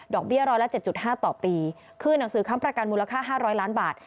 เบี้ยร้อยละ๗๕ต่อปีคืนหนังสือคำประกันมูลค่า๕๐๐ล้านบาท